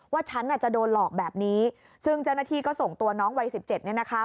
ฉันอาจจะโดนหลอกแบบนี้ซึ่งเจ้าหน้าที่ก็ส่งตัวน้องวัยสิบเจ็ดเนี่ยนะคะ